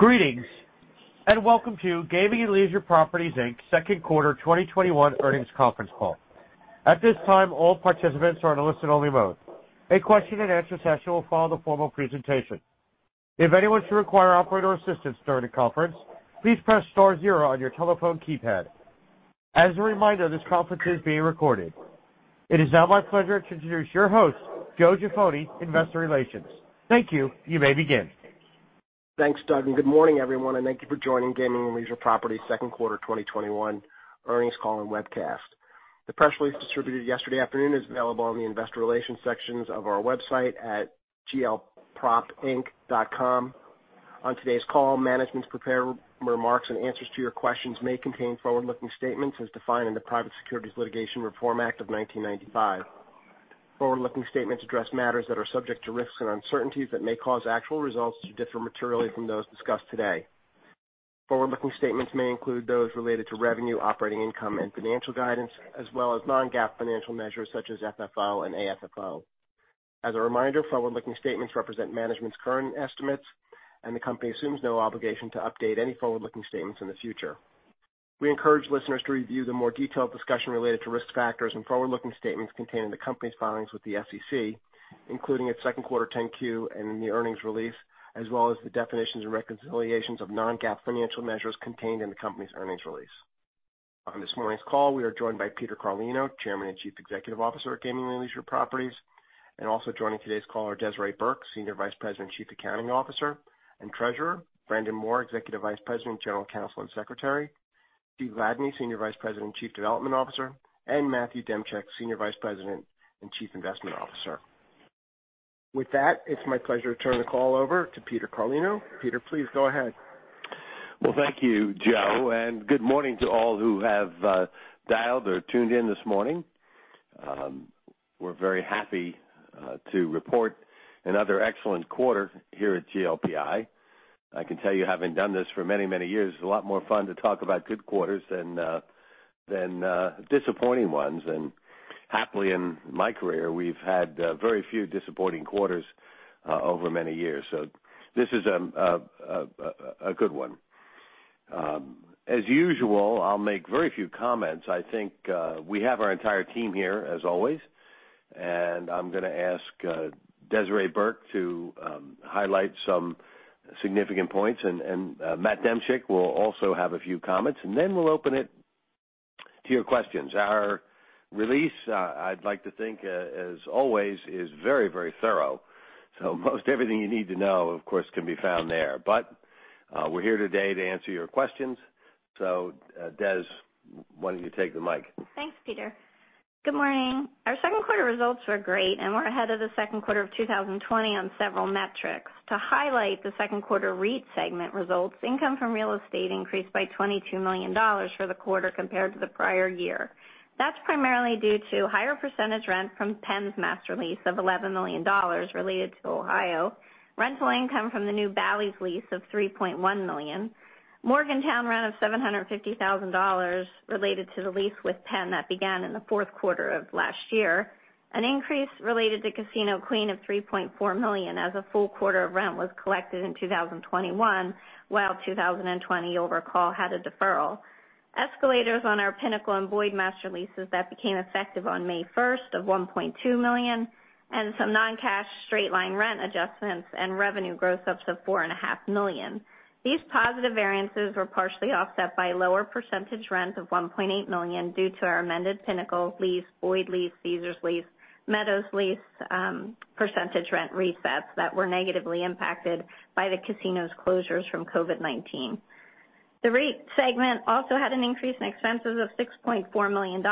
Greetings, and welcome to Gaming and Leisure Properties, Inc.'s second quarter 2021 earnings conference call. Thanks, Doug, and good morning, everyone, and thank you for joining Gaming and Leisure Properties' second quarter 2021 earnings call and webcast. The press release distributed yesterday afternoon is available on the investor relations sections of our website at glpropinc.com. On today's call, management's prepared remarks and answers to your questions may contain forward-looking statements as defined in the Private Securities Litigation Reform Act of 1995. Forward-looking statements address matters that are subject to risks and uncertainties that may cause actual results to differ materially from those discussed today. Forward-looking statements may include those related to revenue, operating income, and financial guidance, as well as non-GAAP financial measures such as FFO and AFFO. As a reminder, forward-looking statements represent management's current estimates, and the company assumes no obligation to update any forward-looking statements in the future. We encourage listeners to review the more detailed discussion related to risk factors and forward-looking statements contained in the company's filings with the SEC, including its second quarter 10-Q and in the earnings release, as well as the definitions and reconciliations of non-GAAP financial measures contained in the company's earnings release. On this morning's call, we are joined by Peter Carlino, Chairman and Chief Executive Officer at Gaming and Leisure Properties, and also joining today's call are Desiree Burke, Senior Vice President and Chief Accounting Officer and Treasurer, Brandon Moore, Executive Vice President, General Counsel, and Secretary, Steven Ladany, Senior Vice President and Chief Development Officer, and Matthew Demchyk, Senior Vice President and Chief Investment Officer. With that, it's my pleasure to turn the call over to Peter Carlino. Peter, please go ahead. Well, thank you, Joe, and good morning to all who have dialed or tuned in this morning. We're very happy to report another excellent quarter here at GLPI. I can tell you, having done this for many, many years, it's a lot more fun to talk about good quarters than disappointing ones. Happily, in my career, we've had very few disappointing quarters over many years, so this is a good one. As usual, I'll make very few comments. I think we have our entire team here as always, and I'm going to ask Desiree Burke to highlight some significant points, and Matthew Demchyk will also have a few comments, and then we'll open it to your questions. Our release, I'd like to think, as always, is very thorough, so most everything you need to know, of course, can be found there. We're here today to answer your questions. Des, why don't you take the mic? Thanks, Peter. Good morning. Our second quarter results were great, and we're ahead of the second quarter of 2020 on several metrics. To highlight the second quarter REIT segment results, income from real estate increased by $22 million for the quarter compared to the prior year. That's primarily due to higher percentage rent from Penn's master lease of $11 million related to Ohio, rental income from the new Bally's lease of $3.1 million, Morgantown rent of $750,000 related to the lease with Penn that began in the fourth quarter of last year, an increase related to Casino Queen of $3.4 million as a full quarter of rent was collected in 2021 while 2020, you'll recall, had a deferral. Escalators on our Pinnacle and Boyd master leases that became effective on May 1st of $1.2 million, and some non-cash straight-line rent adjustments and revenue gross-ups of $4.5 million. These positive variances were partially offset by lower percentage rent of $1.8 million due to our amended Pinnacle lease, Boyd lease, Caesars lease, Meadows lease percentage rent resets that were negatively impacted by the casinos closures from COVID-19. The REIT segment also had an increase in expenses of $6.4 million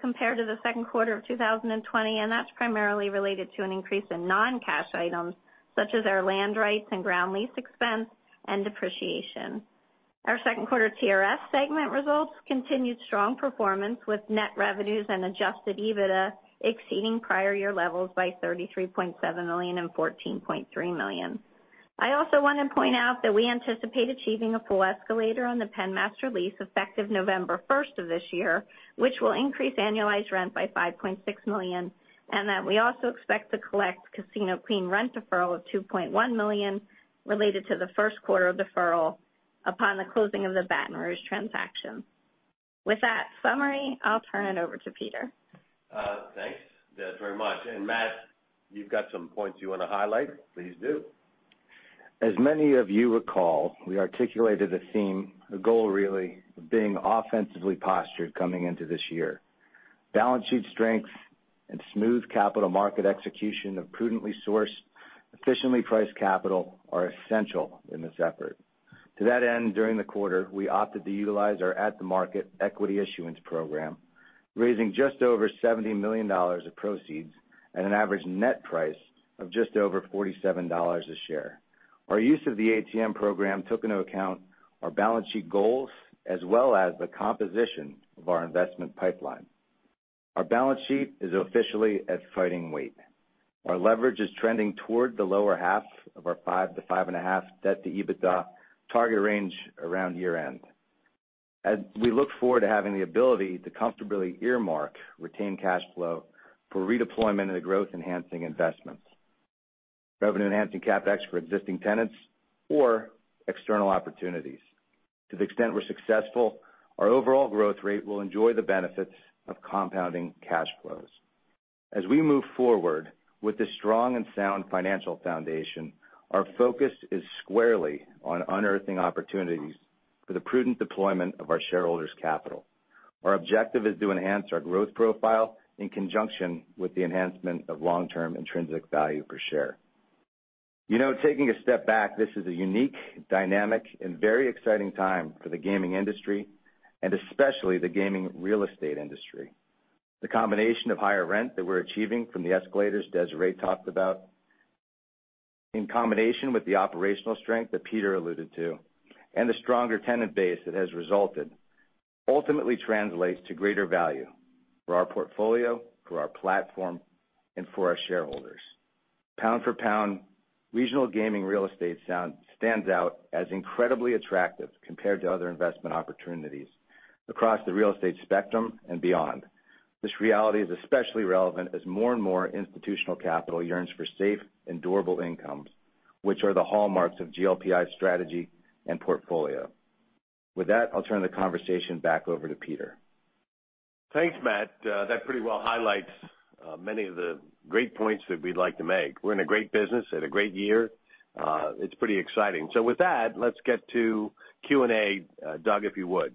compared to the second quarter of 2020. That's primarily related to an increase in non-cash items such as our land rights and ground lease expense and depreciation. Our second quarter TRS segment results continued strong performance with net revenues and adjusted EBITDA exceeding prior year levels by $33.7 million and $14.3 million. I also want to point out that we anticipate achieving a full escalator on the Penn master lease effective November 1st of this year, which will increase annualized rent by $5.6 million, and that we also expect to collect Casino Queen rent deferral of $2.1 million related to the first quarter of deferral upon the closing of the Baton Rouge transaction. With that summary, I'll turn it over to Peter. Thanks, Des, very much. Matt, you've got some points you want to highlight? Please do. As many of you recall, we articulated a theme, a goal really, of being offensively postured coming into this year. Balance sheet strength and smooth capital market execution of prudently sourced, efficiently priced capital are essential in this effort. To that end, during the quarter, we opted to utilize our at the market equity issuance program, raising just over $70 million of proceeds at an average net price of just over $47 a share. Our use of the ATM program took into account our balance sheet goals as well as the composition of our investment pipeline. Our balance sheet is officially at fighting weight. Our leverage is trending toward the lower half of our 5-5.5 debt to EBITDA target range around year end. As we look forward to having the ability to comfortably earmark retained cash flow for redeployment into growth-enhancing investments, revenue-enhancing CapEx for existing tenants or external opportunities. To the extent we're successful, our overall growth rate will enjoy the benefits of compounding cash flows. As we move forward with this strong and sound financial foundation, our focus is squarely on unearthing opportunities for the prudent deployment of our shareholders' capital. Our objective is to enhance our growth profile in conjunction with the enhancement of long-term intrinsic value per share. Taking a step back, this is a unique, dynamic, and very exciting time for the gaming industry, and especially the gaming real estate industry. The combination of higher rent that we're achieving from the escalators Desiree talked about, in combination with the operational strength that Peter alluded to, and the stronger tenant base that has resulted, ultimately translates to greater value for our portfolio, for our platform, and for our shareholders. Pound for pound, regional gaming real estate stands out as incredibly attractive compared to other investment opportunities across the real estate spectrum and beyond. This reality is especially relevant as more and more institutional capital yearns for safe and durable incomes, which are the hallmarks of GLPI's strategy and portfolio. With that, I'll turn the conversation back over to Peter. Thanks, Matt. That pretty well highlights many of the great points that we'd like to make. We're in a great business, had a great year. It's pretty exciting. With that, let's get to Q&A. Doug, if you would.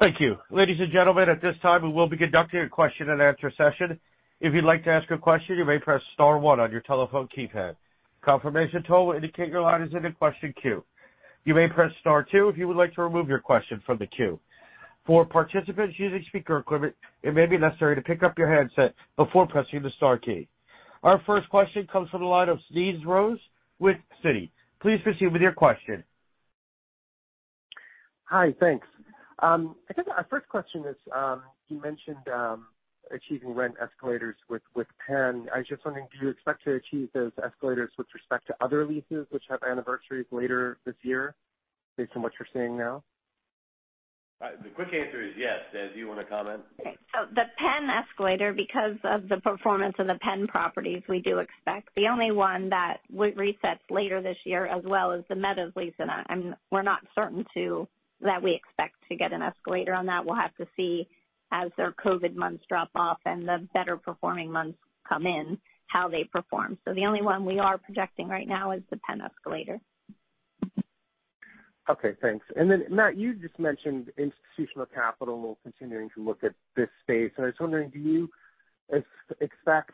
Thank you. Ladies and gentlemen, at this time, we will be conducting a question and answer session. If you'd like to ask a question, you may press star 1 on your telephone keypad. Confirmation tone will indicate your line is in the question queue. You may press star 2 if you would like to remove your question from the queue. For participants using speaker equipment, it may be necessary to pick up your handset before pressing the star key. Our first question comes from the line of Smedes Rose with Citi. Please proceed with your question. Hi, thanks. I guess my first question is, you mentioned achieving rent escalators with Penn. I was just wondering, do you expect to achieve those escalators with respect to other leases which have anniversaries later this year, based on what you're seeing now? The quick answer is yes. Des, do you want to comment? The Penn escalator, because of the performance of the Penn properties, we do expect. The only one that resets later this year, as well is The Meadows lease, and we're not certain that we expect to get an escalator on that. We'll have to see as their COVID months drop off and the better-performing months come in, how they perform. The only one we are projecting right now is the Penn escalator. Okay, thanks. Then Matt, you just mentioned institutional capital continuing to look at this space. I was wondering, do you expect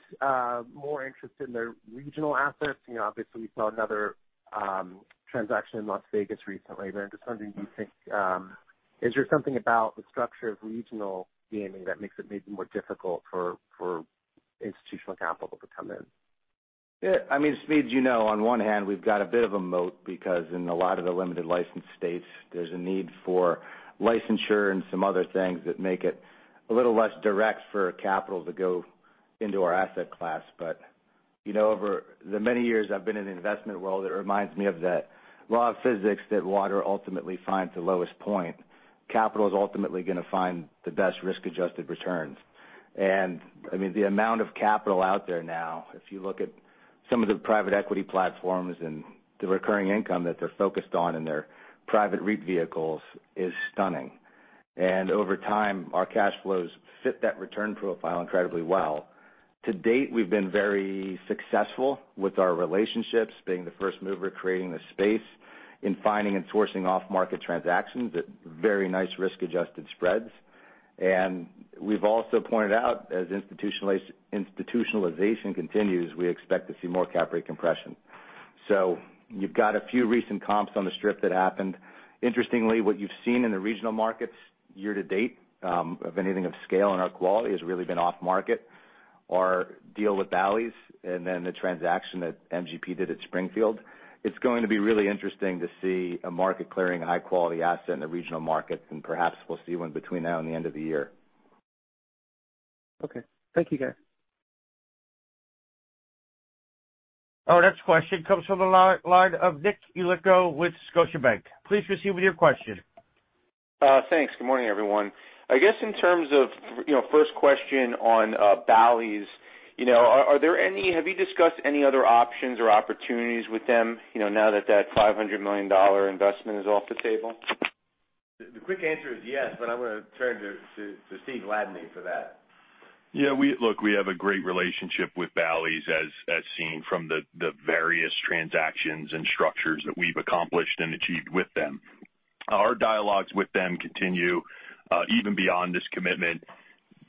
more interest in the regional assets? Obviously, we saw another transaction in Las Vegas recently. I'm just wondering, is there something about the structure of regional gaming that makes it maybe more difficult for institutional capital to come in? Smedes, you know, on one hand, we've got a bit of a moat because in a lot of the limited license states, there's a need for licensure and some other things that make it a little less direct for capital to go into our asset class. But over the many years I've been in the investment world, it reminds me of the law of physics that water ultimately finds the lowest point. Capital is ultimately going to find the best risk-adjusted returns. And the amount of capital out there now, if you look at some of the private equity platforms and the recurring income that they're focused on in their private REIT vehicles, is stunning. And over time, our cash flows fit that return profile incredibly well. To date, we've been very successful with our relationships, being the first mover creating the space in finding and sourcing off-market transactions at very nice risk-adjusted spreads. We've also pointed out, as institutionalization continues, we expect to see more cap rate compression. You've got a few recent comps on the Strip that happened. Interestingly, what you've seen in the regional markets year to date, if anything of scale in our quality, has really been off market. Our deal with Bally's and then the transaction that MGP did at Springfield. It's going to be really interesting to see a market clearing a high-quality asset in the regional markets, and perhaps we'll see one between now and the end of the year. Okay. Thank you, guys. Our next question comes from the line of Nicholas Yulico with Scotiabank. Please proceed with your question. Thanks. Good morning, everyone. I guess in terms of, first question on Bally's, have you discussed any other options or opportunities with them now that that $500 million investment is off the table? The quick answer is yes, but I'm going to turn to Steven Ladany for that. Yeah, look, we have a great relationship with Bally's, as seen from the various transactions and structures that we've accomplished and achieved with them. Our dialogues with them continue even beyond this commitment.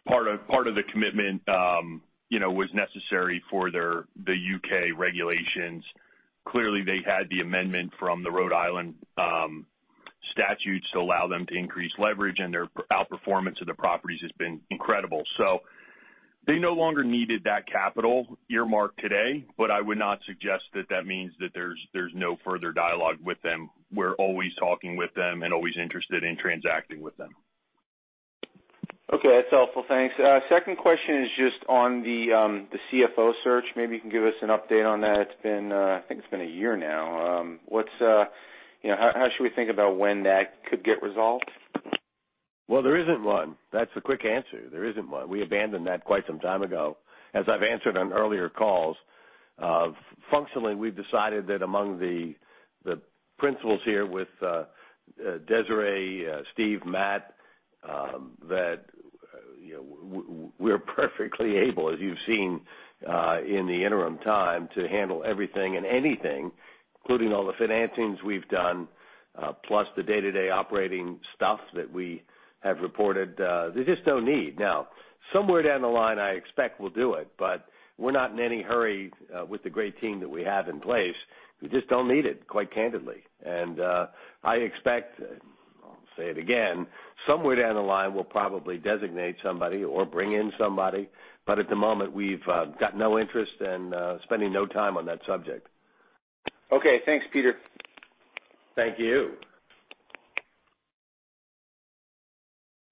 Part of the commitment was necessary for the U.K. regulations. Clearly, they had the amendment from the Rhode Island statutes to allow them to increase leverage, and their outperformance of the properties has been incredible. They no longer needed that capital earmarked today, but I would not suggest that that means that there's no further dialogue with them. We're always talking with them and always interested in transacting with them. Okay, that's helpful. Thanks. Second question is just on the CFO search. Maybe you can give us an update on that. I think it's been a year now. How should we think about when that could get resolved? Well, there isn't one. That's the quick answer. There isn't one. We abandoned that quite some time ago. As I've answered on earlier calls, functionally, we've decided that among the principals here with Desiree, Steve, Matt, that we're perfectly able, as you've seen, in the interim time, to handle everything and anything, including all the financings we've done, plus the day-to-day operating stuff that we have reported. There's just no need. Somewhere down the line, I expect we'll do it. We're not in any hurry with the great team that we have in place. We just don't need it, quite candidly. I expect, I'll say it again, somewhere down the line, we'll probably designate somebody or bring in somebody. At the moment, we've got no interest and spending no time on that subject. Okay. Thanks, Peter. Thank you.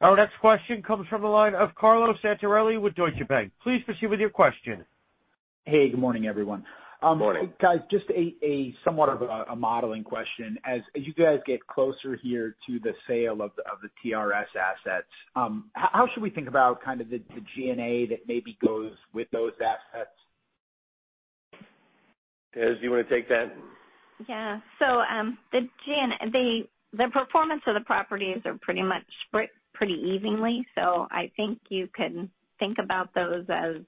Our next question comes from the line of Carlo Santarelli with Deutsche Bank. Please proceed with your question. Hey, good morning, everyone. Good morning. Guys, just somewhat of a modeling question. As you guys get closer here to the sale of the TRS assets, how should we think about the G&A that maybe goes with those assets? Des, you want to take that? Yeah. The performance of the properties are pretty much split pretty evenly. I think you can think about those as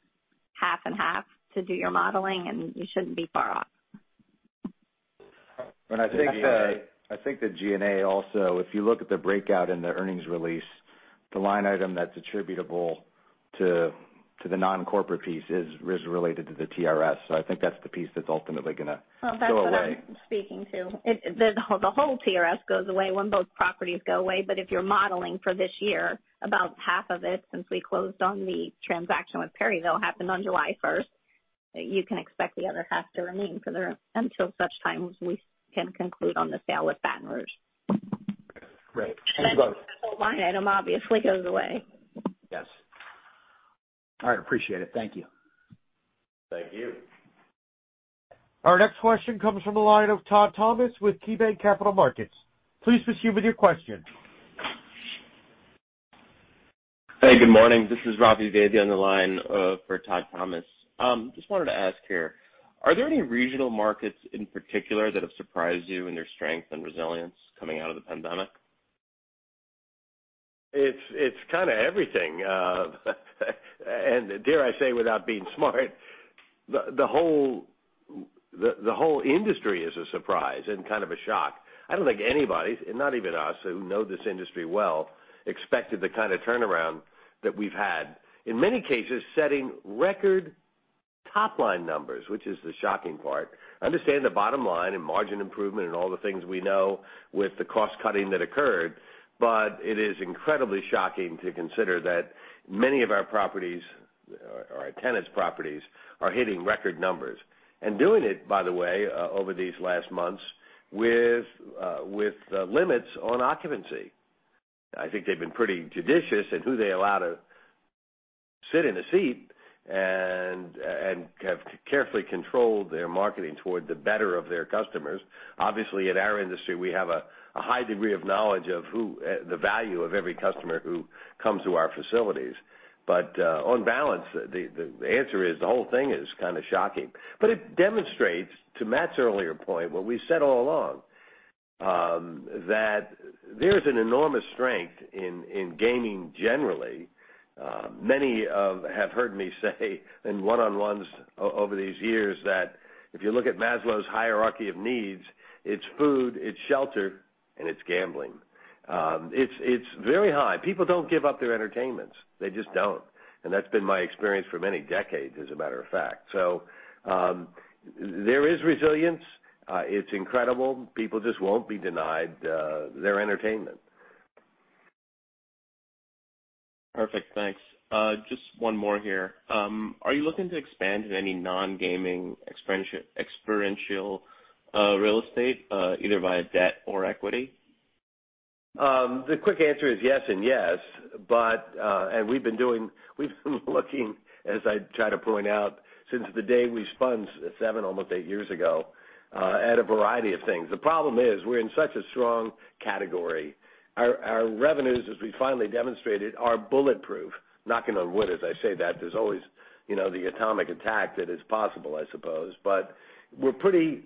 half and half to do your modeling, and you shouldn't be far off. I think the G&A also, if you look at the breakout in the earnings release, the line item that's attributable to the non-corporate piece is related to the TRS. I think that's the piece that's ultimately going to go away. That's what I'm speaking to. The whole TRS goes away when both properties go away. If you're modeling for this year, about half of it, since we closed on the transaction with Perryville, that'll happen on July 1st. You can expect the other half to remain until such time as we can conclude on the sale with Baton Rouge. Great. The whole line item obviously goes away. Yes. All right, appreciate it. Thank you. Thank you. Our next question comes from the line of Todd Thomas with KeyBanc Capital Markets. Please proceed with your question. Hey, good morning. This is Ravi Vaidya on the line for Todd Thomas. Just wanted to ask here, are there any regional markets in particular that have surprised you in their strength and resilience coming out of the pandemic? It's kind of everything. Dare I say, without being smart, the whole industry is a surprise and kind of a shock. I don't think anybody, not even us, who know this industry well, expected the kind of turnaround that we've had. In many cases, setting record top-line numbers, which is the shocking part. Understand the bottom line and margin improvement and all the things we know with the cost cutting that occurred. It is incredibly shocking to consider that many of our properties, or our tenants' properties, are hitting record numbers and doing it, by the way, over these last months with limits on occupancy. I think they've been pretty judicious in who they allow to sit in a seat and have carefully controlled their marketing toward the better of their customers. Obviously, at our industry, we have a high degree of knowledge of the value of every customer who comes to our facilities. On balance, the answer is the whole thing is kind of shocking. It demonstrates, to Matt's earlier point, what we said all along, that there's an enormous strength in gaming generally. Many have heard me say in one-on-ones over these years that if you look at Maslow's hierarchy of needs, it's food, it's shelter, and it's gambling. It's very high. People don't give up their entertainments. They just don't. That's been my experience for many decades, as a matter of fact. There is resilience. It's incredible. People just won't be denied their entertainment. Perfect. Thanks. Just one more here. Are you looking to expand in any non-gaming experiential real estate, either via debt or equity? The quick answer is yes and yes. We've been looking, as I try to point out, since the day we spun seven, almost eight years ago, at a variety of things. The problem is we're in such a strong category. Our revenues, as we finally demonstrated, are bulletproof. Knocking on wood as I say that. There's always the atomic attack that is possible, I suppose, but we're pretty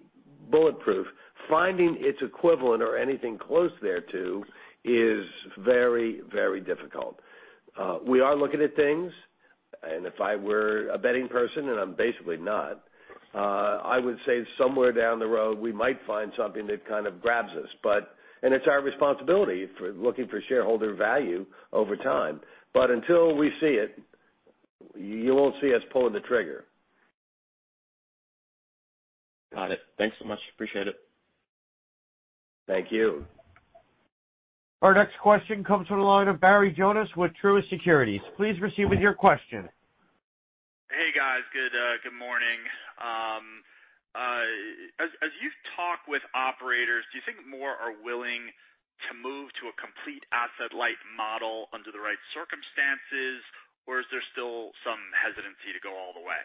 bulletproof. Finding its equivalent or anything close thereto is very, very difficult. We are looking at things, and if I were a betting person, and I'm basically not, I would say somewhere down the road, we might find something that kind of grabs us. It's our responsibility for looking for shareholder value over time. Until we see it, you won't see us pulling the trigger. Got it. Thanks so much. Appreciate it. Thank you. Our next question comes from the line of Barry Jonas with Truist Securities. Please proceed with your question. Good morning. As you talk with operators, do you think more are willing to move to a complete asset-light model under the right circumstances, or is there still some hesitancy to go all the way?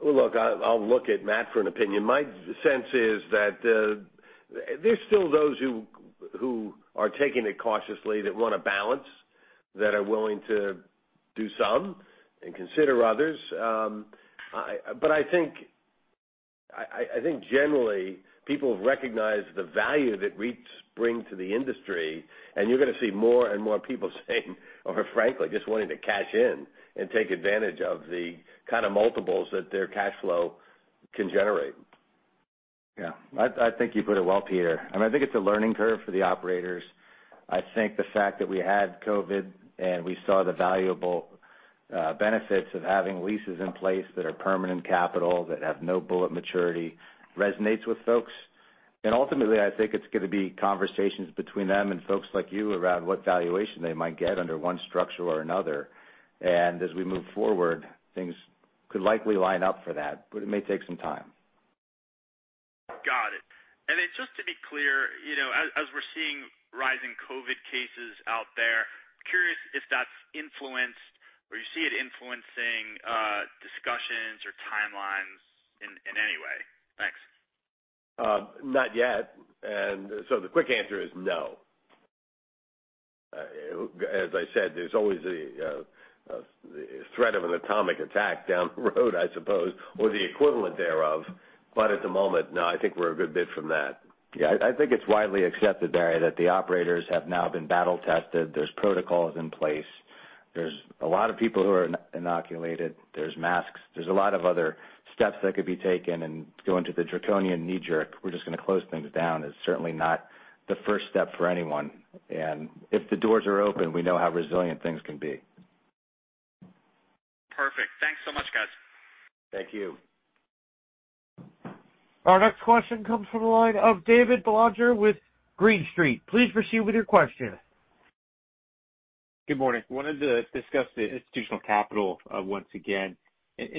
Look, I'll look at Matt for an opinion. My sense is that there's still those who are taking it cautiously that want a balance, that are willing to do some and consider others. I think, generally, people have recognized the value that REITs bring to the industry, and you're going to see more and more people saying or frankly, just wanting to cash in and take advantage of the kind of multiples that their cash flow can generate. Yeah. I think you put it well, Peter. I think it's a learning curve for the operators. I think the fact that we had COVID and we saw the valuable benefits of having leases in place that are permanent capital, that have no bullet maturity, resonates with folks. Ultimately, I think it's going to be conversations between them and folks like you around what valuation they might get under one structure or another. As we move forward, things could likely line up for that, but it may take some time. Got it. Just to be clear, as we're seeing rising COVID cases out there, curious if that's influenced or you see it influencing discussions or timelines in any way? Thanks. Not yet. The quick answer is no. As I said, there's always the threat of an atomic attack down the road, I suppose, or the equivalent thereof. At the moment, no, I think we're a good bit from that. Yeah, I think it's widely accepted, Barry, that the operators have now been battle tested. There's protocols in place. There's a lot of people who are inoculated. There's masks. There's a lot of other steps that could be taken. Going to the draconian knee-jerk, we're just going to close things down is certainly not the first step for anyone. If the doors are open, we know how resilient things can be. Perfect. Thanks so much, guys. Thank you. Our next question comes from the line of David Balaguer with Green Street. Please proceed with your question. Good morning. Wanted to discuss the institutional capital once again,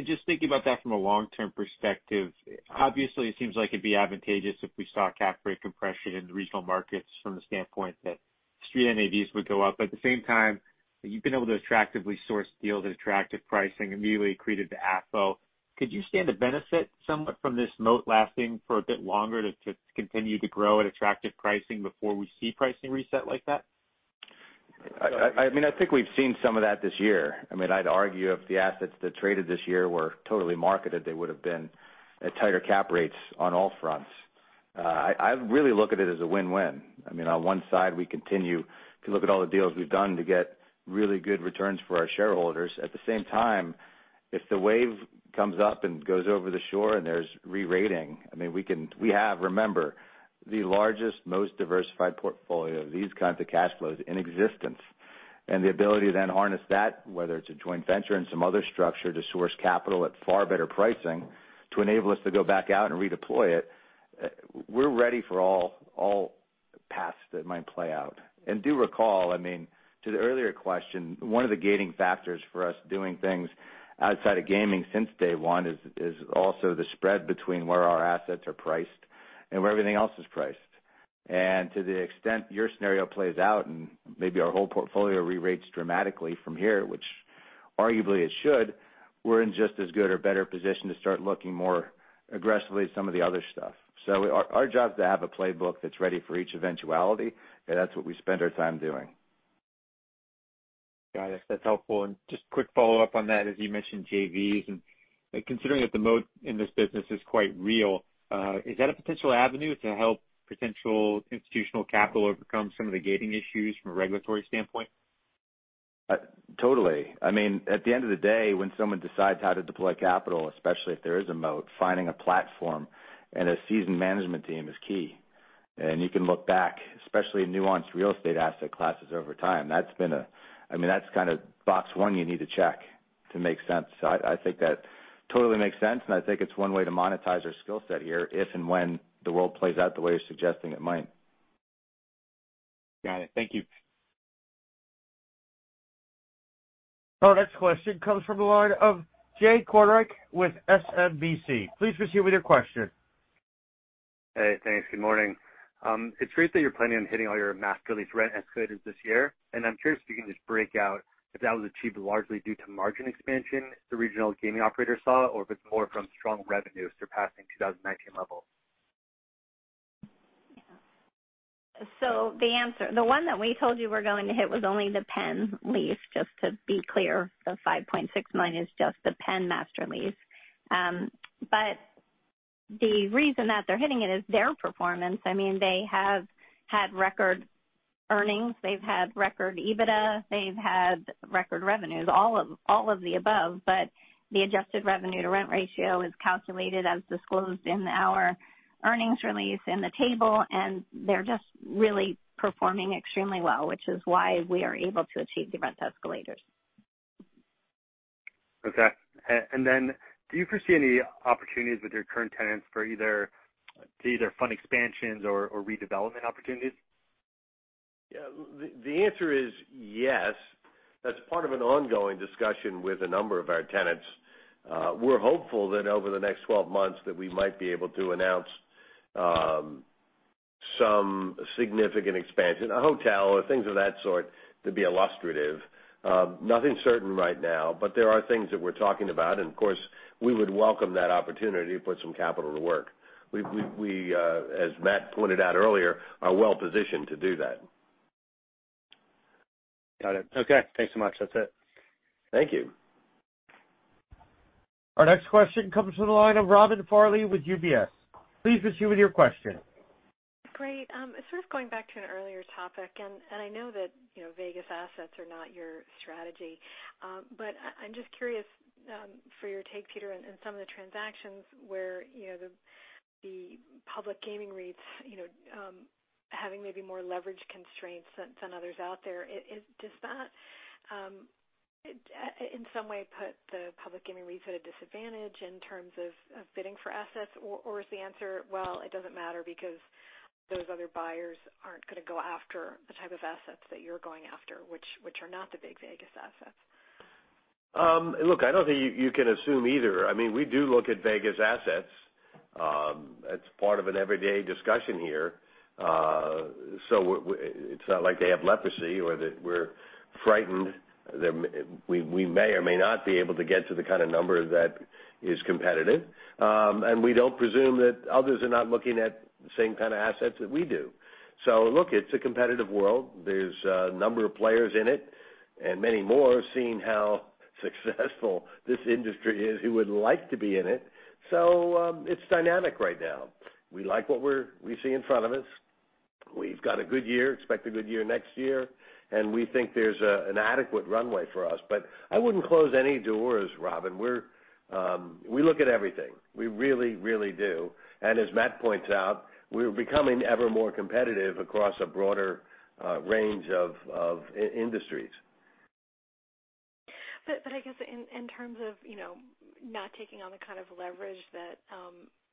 just thinking about that from a long-term perspective. Obviously, it seems like it'd be advantageous if we saw cap rate compression in the regional markets from the standpoint that street NAVs would go up. At the same time, you've been able to attractively source deals at attractive pricing immediately accreted to AFFO. Could you stand to benefit somewhat from this moat lasting for a bit longer to continue to grow at attractive pricing before we see pricing reset like that? I think we've seen some of that this year. I'd argue if the assets that traded this year were totally marketed, they would have been at tighter cap rates on all fronts. I really look at it as a win-win. On one side, we continue to look at all the deals we've done to get really good returns for our shareholders. At the same time, if the wave comes up and goes over the shore and there's re-rating, we have, remember, the largest, most diversified portfolio of these kinds of cash flows in existence. The ability to then harness that, whether it's a joint venture in some other structure to source capital at far better pricing to enable us to go back out and redeploy it, we're ready for all paths that might play out. Do recall, to the earlier question, one of the gating factors for us doing things outside of gaming since day one is also the spread between where our assets are priced and where everything else is priced. To the extent your scenario plays out, and maybe our whole portfolio re-rates dramatically from here, which arguably it should, we're in just as good or better position to start looking more aggressively at some of the other stuff. Our job is to have a playbook that's ready for each eventuality, and that's what we spend our time doing. Got it. That's helpful. Just quick follow-up on that, as you mentioned, JVs, considering that the moat in this business is quite real, is that a potential avenue to help potential institutional capital overcome some of the gating issues from a regulatory standpoint? Totally. At the end of the day, when someone decides how to deploy capital, especially if there is a moat, finding a platform and a seasoned management team is key. You can look back, especially in nuanced real estate asset classes over time. That's kind of box 1 you need to check to make sense. I think that totally makes sense, and I think it's 1 way to monetize our skill set here if and when the world plays out the way you're suggesting it might. Got it. Thank you. Our next question comes from the line of Jay Kornreich with SMBC. Please proceed with your question. Hey, thanks. Good morning. It's great that you're planning on hitting all your master lease rent escalators this year, and I'm curious if you can just break out if that was achieved largely due to margin expansion the regional gaming operator saw, or if it's more from strong revenue surpassing 2019 levels? The answer. The one that we told you we're going to hit was only the Penn lease. Just to be clear, the $5.6 million is just the Penn master lease. The reason that they're hitting it is their performance. They have had record earnings. They've had record EBITDA. They've had record revenues, all of the above. The adjusted revenue to rent ratio is calculated as disclosed in our earnings release in the table, and they're just really performing extremely well, which is why we are able to achieve the rent escalators. Okay. Do you foresee any opportunities with your current tenants for either fund expansions or redevelopment opportunities? Yeah. The answer is yes. That's part of an ongoing discussion with a number of our tenants. We're hopeful that over the next 12 months that we might be able to announce some significant expansion, a hotel or things of that sort to be illustrative. Nothing certain right now, there are things that we're talking about and, of course, we would welcome that opportunity to put some capital to work. We, as Matt pointed out earlier, are well-positioned to do that. Got it. Okay. Thanks so much. That's it. Thank you. Our next question comes from the line of Robin Farley with UBS. Please proceed with your question. Great. Sort of going back to an earlier topic. I know that Vegas assets are not your strategy. I'm just curious for your take, Peter, in some of the transactions where the public gaming REITs having maybe more leverage constraints than others out there. Does that, in some way, put the public gaming REITs at a disadvantage in terms of bidding for assets? Is the answer, well, it doesn't matter because those other buyers aren't going to go after the type of assets that you're going after, which are not the big Vegas assets? Look, I don't think you can assume either. We do look at Vegas assets. It's part of an everyday discussion here. It's not like they have leprosy or that we're frightened. We may or may not be able to get to the kind of number that is competitive. We don't presume that others are not looking at the same kind of assets that we do. Look, it's a competitive world. There's a number of players in it, and many more, seeing how successful this industry is, who would like to be in it. It's dynamic right now. We like what we see in front of us. We've got a good year, expect a good year next year, and we think there's an adequate runway for us. I wouldn't close any doors, Robin. We look at everything. We really, really do. As Matt points out, we're becoming ever more competitive across a broader range of industries. I guess in terms of not taking on the kind of leverage that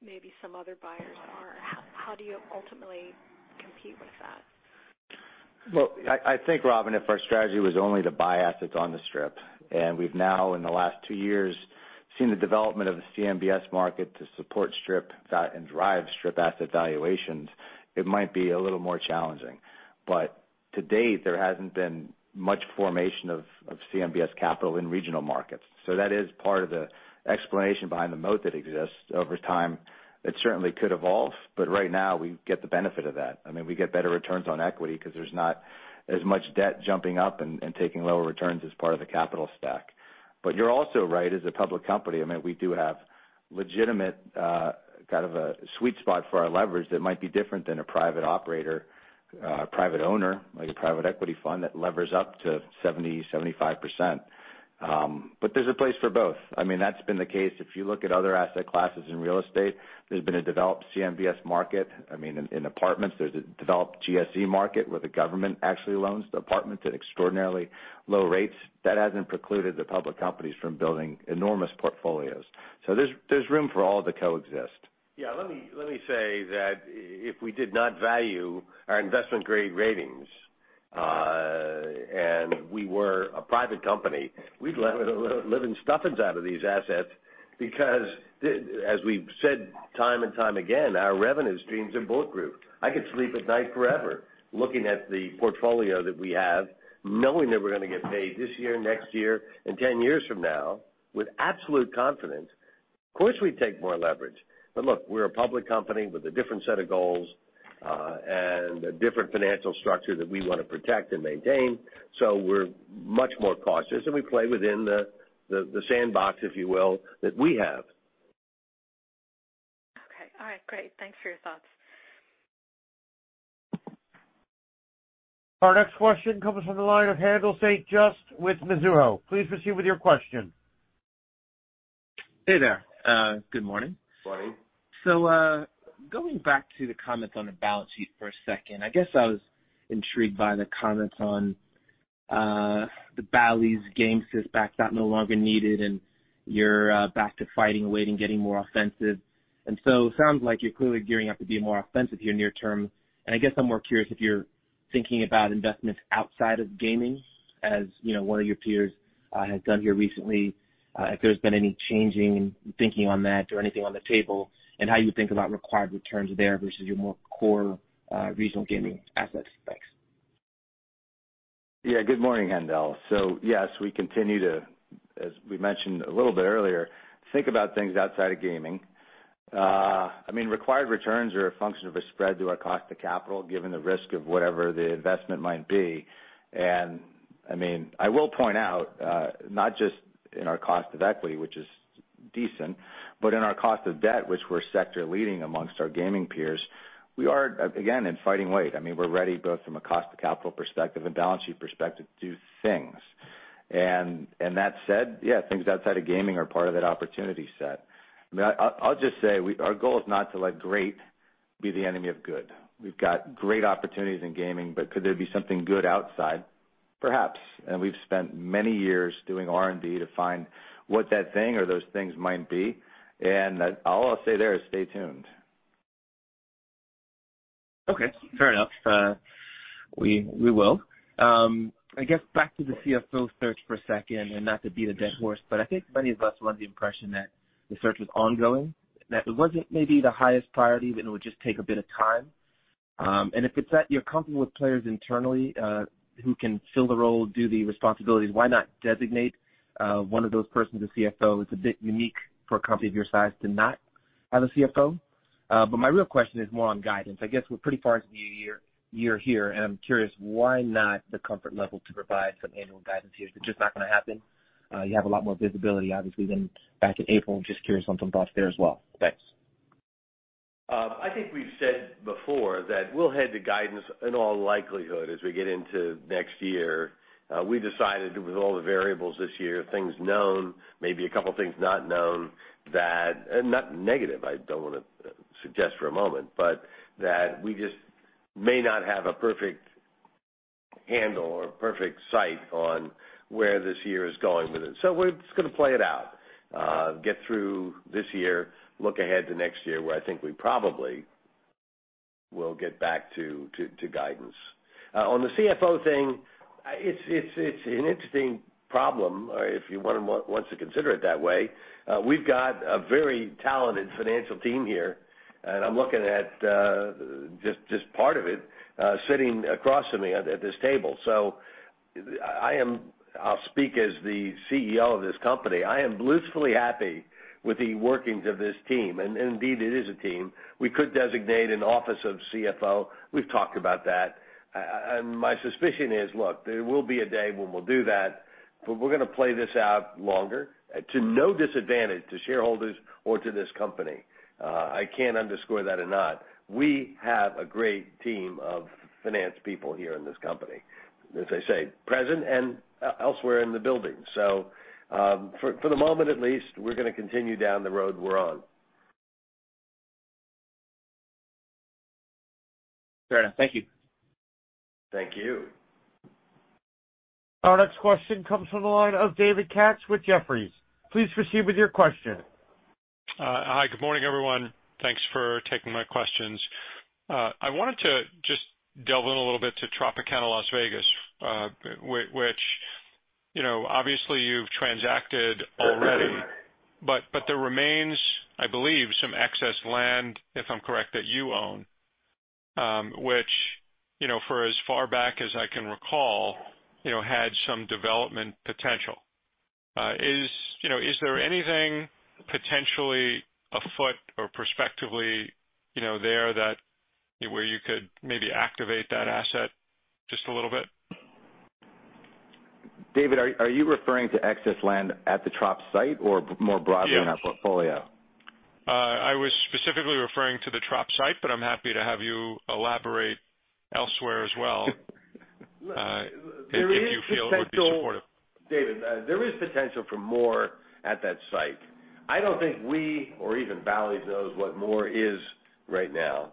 maybe some other buyers are, how do you ultimately compete with that? I think, Robin, if our strategy was only to buy assets on the Strip, and we've now, in the last 2 years, seen the development of the CMBS market to support Strip, that, and drive Strip asset valuations, it might be a little more challenging. To date, there hasn't been much formation of CMBS capital in regional markets. That is part of the explanation behind the moat that exists over time. It certainly could evolve, but right now, we get the benefit of that. We get better returns on equity because there's not as much debt jumping up and taking lower returns as part of the capital stack. You're also right, as a public company, we do have legitimate kind of a sweet spot for our leverage that might be different than a private operator, a private owner, like a private equity fund that levers up to 70%, 75%. There's a place for both. That's been the case. If you look at other asset classes in real estate, there's been a developed CMBS market. In apartments, there's a developed GSE market where the government actually loans the apartments at extraordinarily low rates. That hasn't precluded the public companies from building enormous portfolios. There's room for all to coexist. Let me say that if we did not value our investment-grade ratings, and we were a private company, we'd be living stuffing out of these assets because as we've said time and time again, our revenue stream's bulletproof. I could sleep at night forever looking at the portfolio that we have, knowing that we're going to get paid this year, next year, and 10 years from now with absolute confidence. Of course, we'd take more leverage. But look, we're a public company with a different set of goals, and a different financial structure that we want to protect and maintain. So we're much more cautious, and we play within the sandbox, if you will, that we have. Okay. All right. Great. Thanks for your thoughts. Our next question comes from the line of Haendel St. Juste with Mizuho. Please proceed with your question. Hey there. Good morning. Morning. Going back to the comments on the balance sheet for a second, I guess I was intrigued by the comments on the Bally's Gamesys CIS backstop no longer needed, and you're back to fighting weight and getting more offensive. It sounds like you're clearly gearing up to be more offensive here near term, and I guess I'm more curious if you're thinking about investments outside of gaming, as one of your peers has done here recently, if there's been any changing in thinking on that or anything on the table, and how you think about required returns there versus your more core regional gaming assets. Thanks. Good morning, Haendel. Yes, we continue to, as we mentioned a little bit earlier, think about things outside of gaming. Required returns are a function of a spread to our cost of capital, given the risk of whatever the investment might be. I will point out, not just in our cost of equity, which is decent, but in our cost of debt, which we're sector-leading amongst our gaming peers, we are, again, in fighting weight. We're ready both from a cost of capital perspective and balance sheet perspective to do things. That said, yeah, things outside of gaming are part of that opportunity set. I'll just say, our goal is not to let great be the enemy of good. We've got great opportunities in gaming, but could there be something good outside? Perhaps, we've spent many years doing R&D to find what that thing or those things might be. All I'll say there is stay tuned. Okay, fair enough. We will. I guess back to the CFO search for a second, and not to beat a dead horse, but I think many of us were under the impression that the search was ongoing, and that it wasn't maybe the highest priority, but it would just take a bit of time. If it's that you're comfortable with players internally who can fill the role, do the responsibilities, why not designate one of those persons a CFO? It's a bit unique for a company of your size to not have a CFO. My real question is more on guidance. I guess we're pretty far into the year here, and I'm curious why not the comfort level to provide some annual guidance here? Is it just not going to happen? You have a lot more visibility, obviously, than back in April, and just curious on some thoughts there as well. Thanks. I think we've said before that we'll head to guidance in all likelihood, as we get into next year. We decided with all the variables this year, things known, maybe a couple of things not known, that not negative, I don't want to suggest for a moment, but that we just may not have a perfect handle or a perfect sight on where this year is going with it. We're just going to play it out. Get through this year, look ahead to next year, where I think we probably will get back to guidance. On the CFO thing, it's an interesting problem, if you want to consider it that way. We've got a very talented financial team here, and I'm looking at just part of it sitting across from me at this table. I'll speak as the CEO of this company. I am blissfully happy with the workings of this team, and indeed, it is a team. We could designate an office of CFO. We've talked about that. My suspicion is, look, there will be a day when we'll do that, but we're going to play this out longer to no disadvantage to shareholders or to this company. I can't underscore that enough. We have a great team of finance people here in this company, as I say, present and elsewhere in the building. For the moment at least, we're going to continue down the road we're on. Fair enough. Thank you. Thank you. Our next question comes from the line of David Katz with Jefferies. Please proceed with your question. Hi. Good morning, everyone. Thanks for taking my questions. I wanted to just delve in a little bit to Tropicana Las Vegas, which obviously you've transacted already, but there remains, I believe, some excess land, if I'm correct, that you own, which for as far back as I can recall, had some development potential. Is there anything potentially afoot or perspectively there where you could maybe activate that asset just a little bit? David, are you referring to excess land at the Trop site or more broadly in our portfolio? I was specifically referring to the Trop site, but I'm happy to have you elaborate elsewhere as well. There is potential- if you feel it would be supportive. David, there is potential for more at that site. I don't think we or even Bally's knows what more is right now.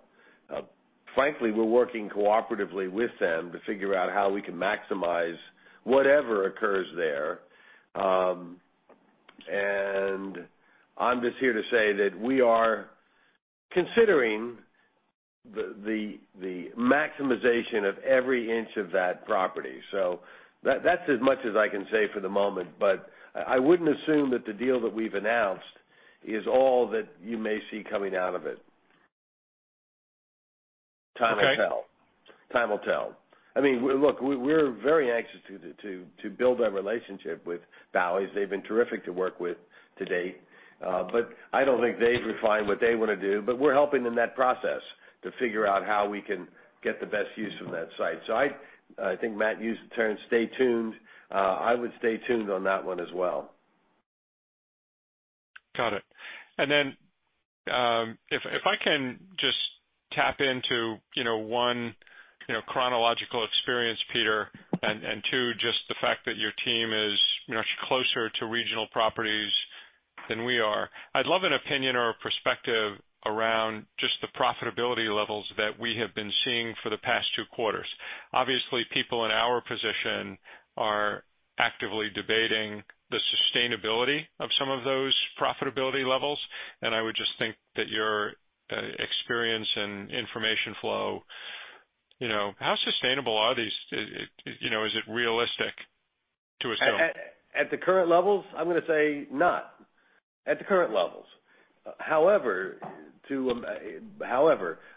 Frankly, we're working cooperatively with them to figure out how we can maximize whatever occurs there. I'm just here to say that we are considering the maximization of every inch of that property. That's as much as I can say for the moment, but I wouldn't assume that the deal that we've announced is all that you may see coming out of it. Time will tell. Okay. Time will tell. Look, we're very anxious to build that relationship with Bally's. They've been terrific to work with to date. I don't think they've refined what they want to do, but we're helping in that process to figure out how we can get the best use from that site. I think Matt used the term stay tuned. I would stay tuned on that one as well. Got it. If I can just tap into, 1, chronological experience, Peter, and 2, just the fact that your team is much closer to regional properties than we are. I'd love an opinion or a perspective around just the profitability levels that we have been seeing for the past 2 quarters. Obviously, people in our position are actively debating the sustainability of some of those profitability levels, and I would just think that your experience and information flow, how sustainable are these? Is it realistic to assume? At the current levels, I'm going to say not. At the current levels. However,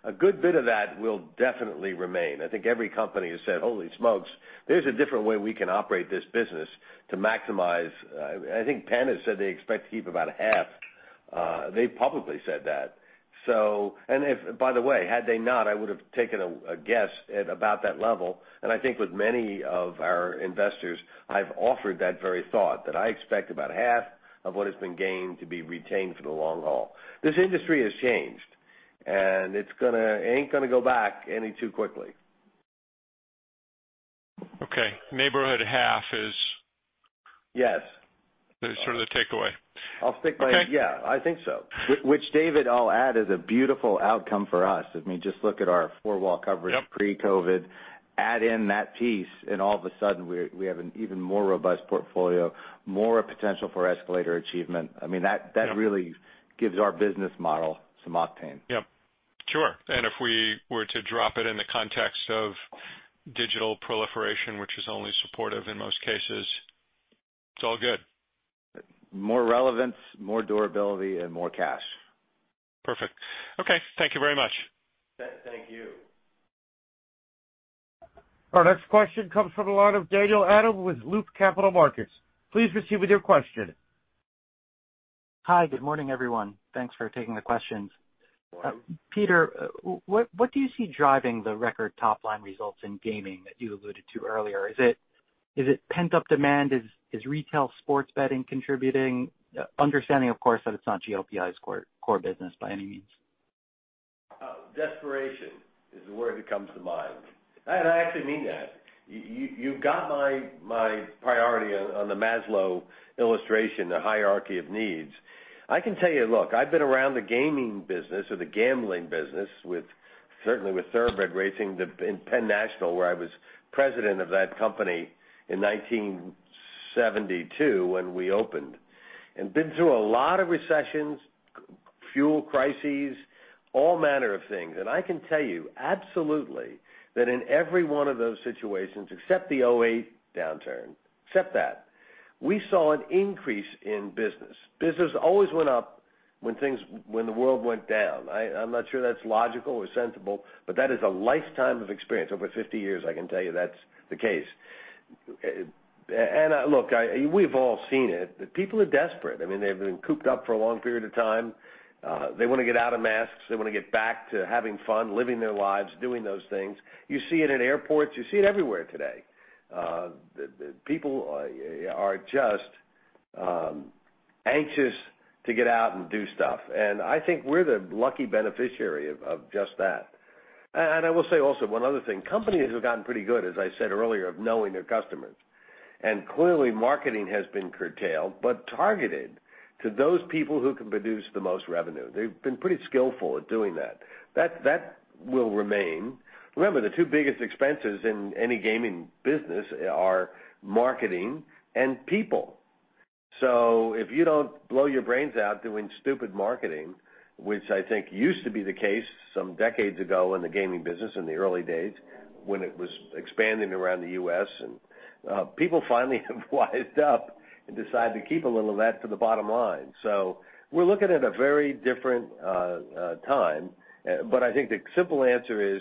a good bit of that will definitely remain. I think every company has said, "Holy smokes. There's a different way we can operate this business to maximize" I think Penn has said they expect to keep about a half. They publicly said that. By the way, had they not, I would've taken a guess at about that level, and I think with many of our investors, I've offered that very thought that I expect about half of what has been gained to be retained for the long haul. This industry has changed, and it ain't going to go back any too quickly. Okay. Neighborhood half is. Yes. That is sort of the takeaway. I'll stick by it. Okay. Yeah, I think so. Which, David, I'll add, is a beautiful outcome for us. I mean, just look at our four-wall coverage. Yep pre-COVID. Add in that piece, and all of a sudden, we have an even more robust portfolio, more potential for escalator achievement. Yep really gives our business model some octane. Yep. Sure. If we were to drop it in the context of digital proliferation, which is only supportive in most cases, it's all good. More relevance, more durability, and more cash. Perfect. Okay. Thank you very much. Thank you. Our next question comes from the line of Daniel Adam with Loop Capital Markets. Please proceed with your question. Hi. Good morning, everyone. Thanks for taking the questions. Good morning. Peter, what do you see driving the record top-line results in gaming that you alluded to earlier? Is it pent-up demand? Is retail sports betting contributing? Understanding, of course, that it's not GLPI's core business by any means. Desperation is the word that comes to mind. I actually mean that. You've got my priority on the Maslow illustration, the hierarchy of needs. I can tell you, look, I've been around the gaming business or the gambling business, certainly with thoroughbred racing in Penn National, where I was president of that company in 1972 when we opened, and been through a lot of recessions, fuel crises, all manner of things. I can tell you absolutely that in every one of those situations, except the '08 downturn, except that, we saw an increase in business. Business always went up when the world went down. I'm not sure that's logical or sensible, but that is a lifetime of experience. Over 50 years, I can tell you that's the case. Look, we've all seen it, that people are desperate. I mean, they've been cooped up for a long period of time. They want to get out of masks. They want to get back to having fun, living their lives, doing those things. You see it in airports. You see it everywhere today. People are just anxious to get out and do stuff, and I think we're the lucky beneficiary of just that. I will say also one other thing. Companies have gotten pretty good, as I said earlier, of knowing their customers. Clearly, marketing has been curtailed, but targeted to those people who can produce the most revenue. They've been pretty skillful at doing that. That will remain. Remember, the two biggest expenses in any gaming business are marketing and people. If you don't blow your brains out doing stupid marketing, which I think used to be the case some decades ago in the gaming business in the early days when it was expanding around the U.S., people finally have wised up and decided to keep a little of that for the bottom line. We're looking at a very different time. I think the simple answer is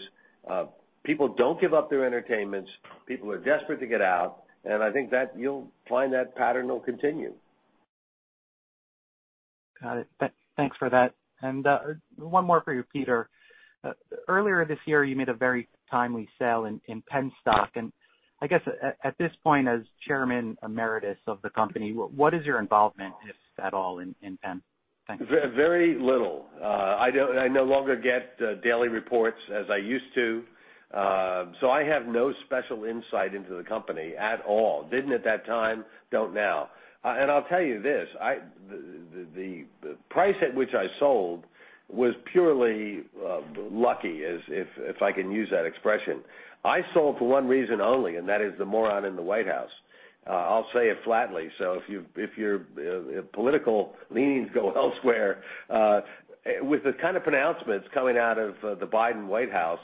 people don't give up their entertainments. People are desperate to get out, and I think that you'll find that pattern will continue. Got it. Thanks for that. One more for you, Peter. Earlier this year, you made a very timely sale in Penn stock, I guess at this point, as Chairman Emeritus of the company, what is your involvement, if at all, in Penn? Thanks. Very little. I no longer get daily reports as I used to. I have no special insight into the company at all. Didn't at that time, don't now. I'll tell you this. The price at which I sold was purely lucky, if I can use that expression. I sold for one reason only, and that is the moron in the White House. I'll say it flatly. If your political leanings go elsewhere, with the kind of pronouncements coming out of the Biden White House,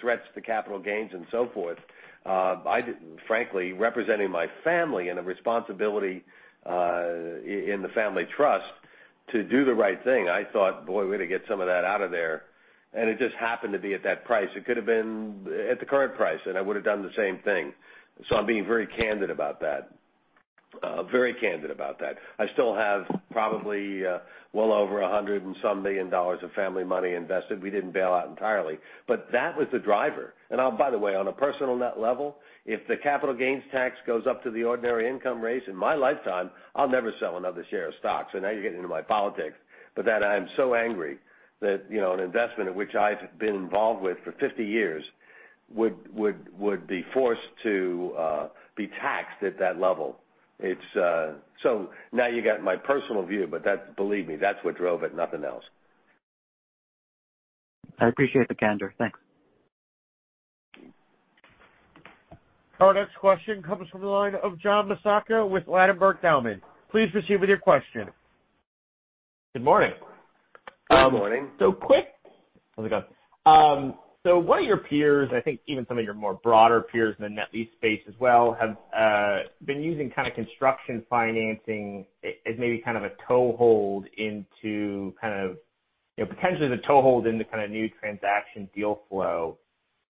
threats to capital gains and so forth, I frankly, representing my family and a responsibility in the family trust to do the right thing, I thought, "Boy, we ought to get some of that out of there." It just happened to be at that price. It could have been at the current price, and I would've done the same thing. I'm being very candid about that. I still have probably well over $100 and some million dollars of family money invested. We didn't bail out entirely. That was the driver. By the way, on a personal net level, if the capital gains tax goes up to the ordinary income rate in my lifetime, I'll never sell another share of stock. Now you're getting into my politics, but that I'm so angry that an investment in which I've been involved with for 50 years would be forced to be taxed at that level. Now you got my personal view, but believe me, that's what drove it, nothing else. I appreciate the candor. Thanks. Our next question comes from the line of John Massocca with Ladenburg Thalmann. Please proceed with your question. Good morning. Good morning. Quick, how's it going? One of your peers, I think even some of your more broader peers in the net lease space as well, have been using kind of construction financing as maybe the toehold into kind of new transaction deal flow.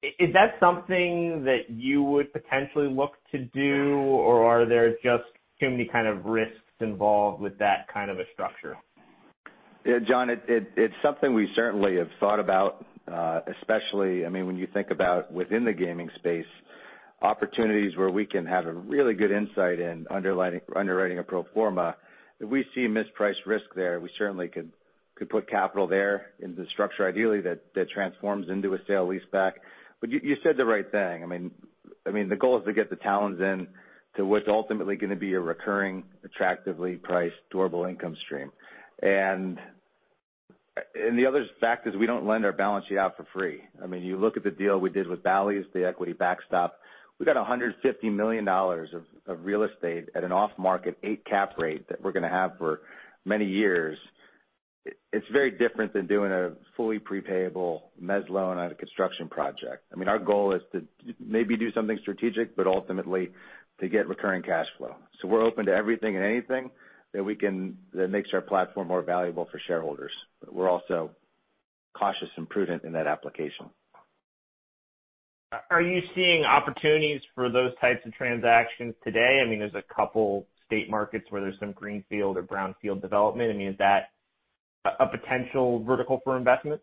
Is that something that you would potentially look to do, or are there just too many kind of risks involved with that kind of a structure? Yeah, John, it's something we certainly have thought about, especially, I mean, when you think about within the gaming space, opportunities where we can have a really good insight in underwriting a pro forma. If we see mispriced risk there, we certainly could put capital there into the structure ideally that transforms into a sale leaseback. You said the right thing. The goal is to get the tenants in to what's ultimately going to be a recurring, attractively priced, durable income stream. The other fact is we don't lend our balance sheet out for free. You look at the deal we did with Bally's, the equity backstop. We got $150 million of real estate at an off-market 8 cap rate that we're going to have for many years. It's very different than doing a fully pre-payable mezz loan on a construction project. Our goal is to maybe do something strategic, but ultimately to get recurring cash flow. We're open to everything and anything that makes our platform more valuable for shareholders. We're also cautious and prudent in that application. Are you seeing opportunities for those types of transactions today? There's a couple state markets where there's some greenfield or brownfield development. Is that a potential vertical for investment?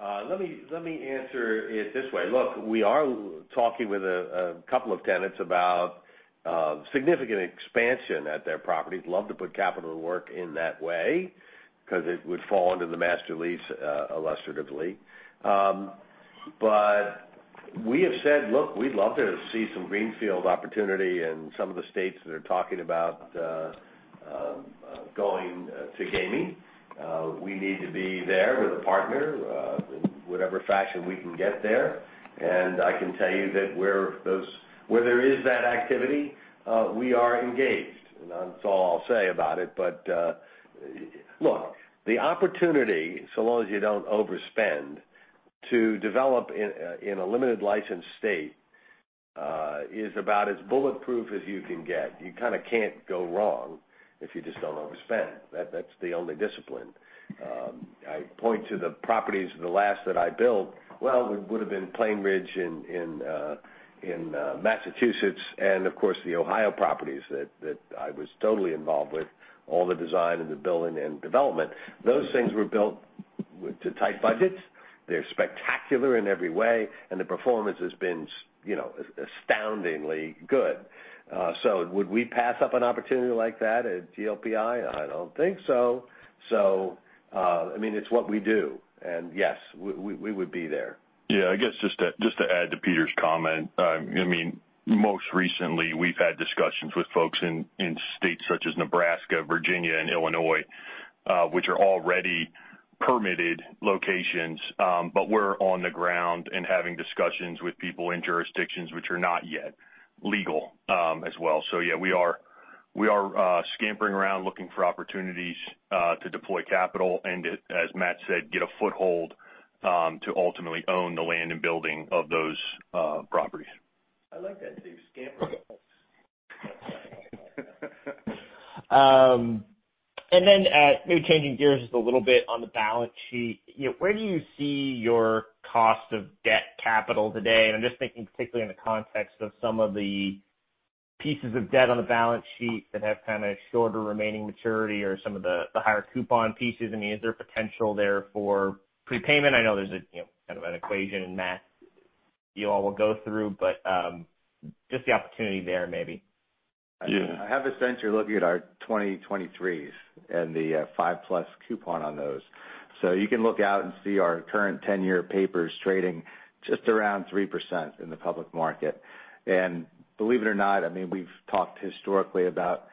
Let me answer it this way. Look, we are talking with a couple of tenants about significant expansion at their properties. Love to put capital to work in that way because it would fall under the master lease illustratively. We have said, look, we'd love to see some greenfield opportunity in some of the states that are talking about going to gaming. We need to be there with a partner in whatever fashion we can get there. I can tell you that where there is that activity, we are engaged. That's all I'll say about it. Look, the opportunity, so long as you don't overspend, to develop in a limited license state, is about as bulletproof as you can get. You kind of can't go wrong if you just don't overspend. That's the only discipline. I point to the properties, the last that I built, well, it would've been Plainridge in Massachusetts and of course the Ohio properties that I was totally involved with, all the design and the building and development. Those things were built to tight budgets. They're spectacular in every way, and the performance has been astoundingly good. Would we pass up an opportunity like that at GLPI? I don't think so. It's what we do. Yes, we would be there. Yeah, I guess just to add to Peter's comment. Most recently, we've had discussions with folks in states such as Nebraska, Virginia and Illinois, which are already permitted locations. We're on the ground and having discussions with people in jurisdictions which are not yet legal as well. Yeah, we are scampering around looking for opportunities to deploy capital and as Matt said, get a foothold to ultimately own the land and building of those properties. I like that, too. Scampering. Maybe changing gears just a little bit on the balance sheet. Where do you see your cost of debt capital today? I'm just thinking particularly in the context of some of the pieces of debt on the balance sheet that have kind of shorter remaining maturity or some of the higher coupon pieces. Is there potential there for prepayment? I know there's kind of an equation, Matt, you all will go through, but just the opportunity there, maybe. I have a sense you're looking at our 2023s and the 5-plus coupon on those. You can look out and see our current 10-year papers trading just around 3% in the public market. Believe it or not, we've talked historically about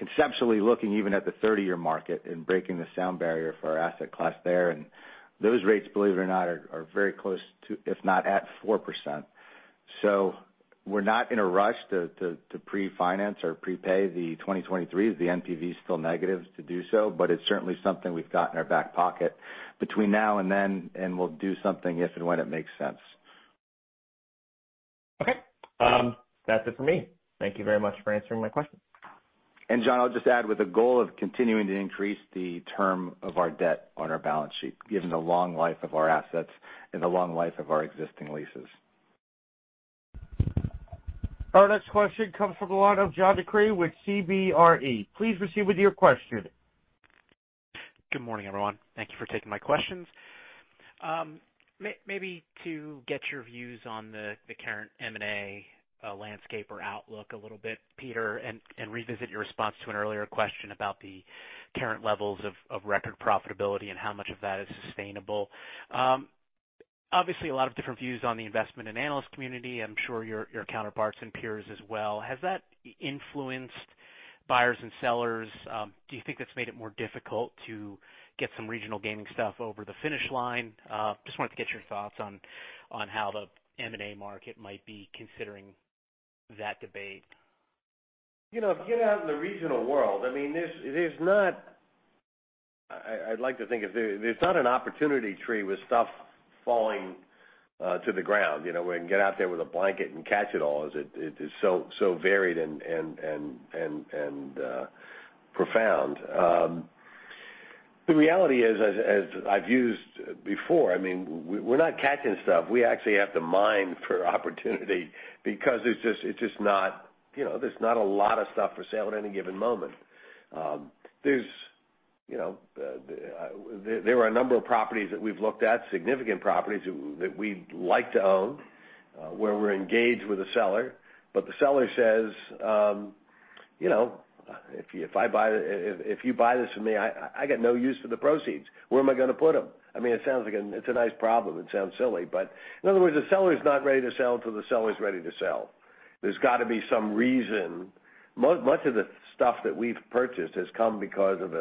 conceptually looking even at the 30-year market and breaking the sound barrier for our asset class there. Those rates, believe it or not, are very close to, if not at 4%. We're not in a rush to pre-finance or prepay the 2023s. The NPV is still negative to do so, but it's certainly something we've got in our back pocket between now and then, and we'll do something if and when it makes sense. Okay. That's it for me. Thank you very much for answering my questions. John, I'll just add with the goal of continuing to increase the term of our debt on our balance sheet, given the long life of our assets and the long life of our existing leases. Our next question comes from the line of John DeCree with CBRE. Please proceed with your question. Good morning, everyone. Thank you for taking my questions. Maybe to get your views on the current M&A landscape or outlook a little bit, Peter, and revisit your response to an earlier question about the current levels of record profitability and how much of that is sustainable. Obviously, a lot of different views on the investment and analyst community. I'm sure your counterparts and peers as well. Has that influenced buyers and sellers? Do you think that's made it more difficult to get some regional gaming stuff over the finish line? Just wanted to get your thoughts on how the M&A market might be considering that debate. If you get out in the regional world, I'd like to think there's not an opportunity tree with stuff falling to the ground where you can get out there with a blanket and catch it all, as it is so varied and profound. The reality is, as I've used before, we're not catching stuff. We actually have to mine for opportunity because there's not a lot of stuff for sale at any given moment. There are a number of properties that we've looked at, significant properties that we'd like to own, where we're engaged with a seller, but the seller says, "If you buy this from me, I got no use for the proceeds. Where am I going to put them?" It's a nice problem. It sounds silly, In other words, the seller's not ready to sell till the seller's ready to sell. There's got to be some reason. Much of the stuff that we've purchased has come because of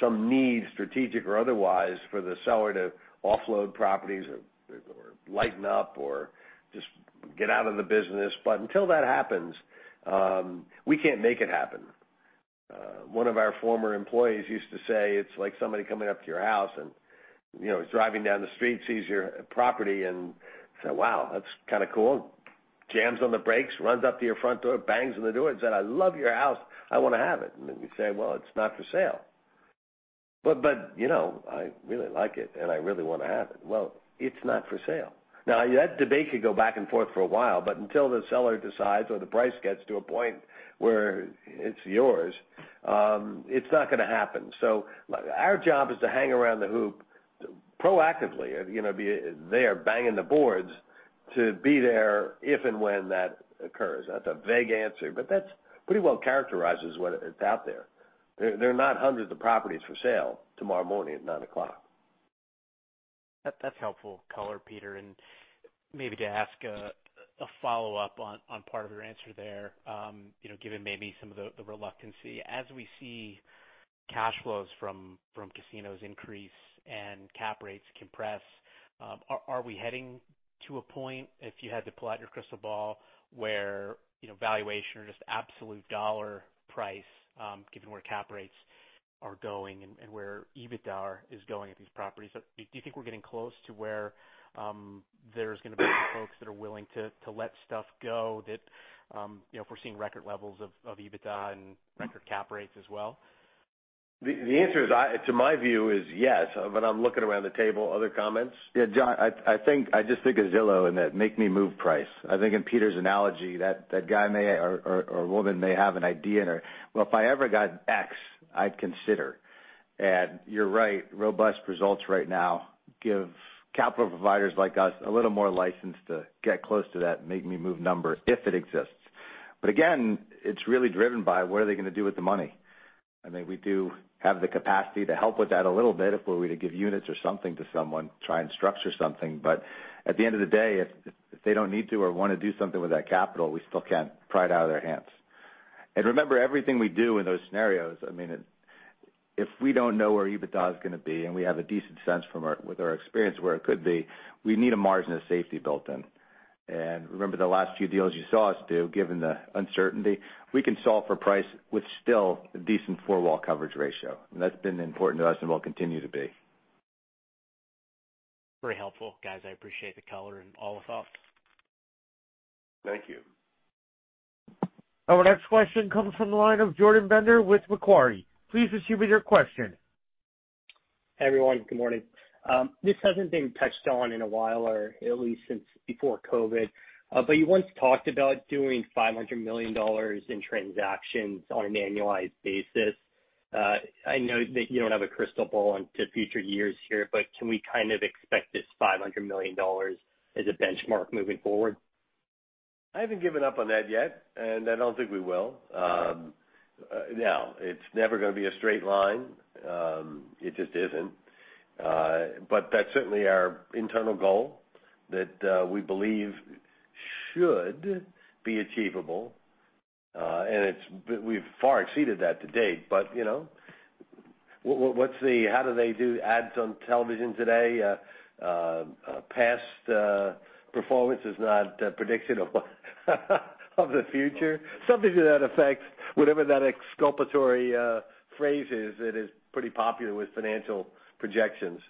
some need, strategic or otherwise, for the seller to offload properties or lighten up or just get out of the business. Until that happens, we can't make it happen. One of our former employees used to say, it's like somebody coming up to your house and, driving down the street, sees your property and say, "Wow, that's kind of cool." Jams on the brakes, runs up to your front door, bangs on the door and said, "I love your house. I want to have it." Then you say, "Well, it's not for sale." "I really like it, and I really want to have it." "Well, it's not for sale." That debate could go back and forth for a while, but until the seller decides or the price gets to a point where it's yours, it's not going to happen. Our job is to hang around the hoop proactively, be there banging the boards to be there if and when that occurs. That's a vague answer, but that pretty well characterizes what is out there. There are not hundreds of properties for sale tomorrow morning at nine o'clock. That's helpful color, Peter, and maybe to ask a follow-up on part of your answer there. Given maybe some of the reluctancy, as we see cash flows from casinos increase and cap rates compress, are we heading to a point, if you had to pull out your crystal ball, where valuation or just absolute dollar price, given where cap rates are going and where EBITDA is going at these properties, do you think we're getting close to where there's going to be folks that are willing to let stuff go, that if we're seeing record levels of EBITDA and record cap rates as well? The answer, to my view, is yes. I'm looking around the table. Other comments? John, I just think of Zillow and that Make Me Move price. I think in Peter's analogy, that guy may or woman may have an idea in her, well, if I ever got X, I'd consider. You're right, robust results right now give capital providers like us a little more license to get close to that Make Me Move number if it exists. Again, it's really driven by what are they going to do with the money? We do have the capacity to help with that a little bit if we were to give units or something to someone, try and structure something. At the end of the day, if they don't need to or want to do something with that capital, we still can't pry it out of their hands. Remember, everything we do in those scenarios, if we don't know where EBITDA is going to be, and we have a decent sense with our experience where it could be, we need a margin of safety built in. Remember the last few deals you saw us do, given the uncertainty, we can solve for price with still a decent four-wall coverage ratio. That's been important to us and will continue to be. Very helpful, guys. I appreciate the color and all the thoughts. Thank you. Our next question comes from the line of Jordan Bender with Macquarie. Please proceed with your question. Hey, everyone. Good morning. This hasn't been touched on in a while, or at least since before COVID. You once talked about doing $500 million in transactions on an annualized basis. I know that you don't have a crystal ball into future years here, but can we kind of expect this $500 million as a benchmark moving forward? I haven't given up on that yet, and I don't think we will. It's never going to be a straight line. It just isn't. That's certainly our internal goal that we believe should be achievable. We've far exceeded that to date. How do they do ads on television today? Past performance is not a prediction of the future. Something to that effect, whatever that exculpatory phrase is that is pretty popular with financial projections.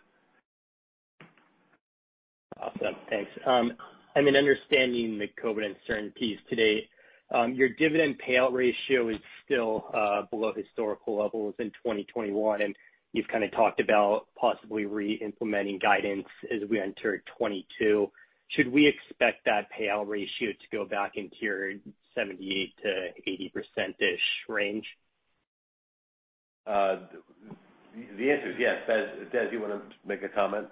Awesome. Thanks. Understanding the COVID uncertainty piece to date, your dividend payout ratio is still below historical levels in 2021, and you've kind of talked about possibly re-implementing guidance as we enter 2022. Should we expect that payout ratio to go back into your 78%-80%ish range? The answer is yes. Des, do you want to make a comment?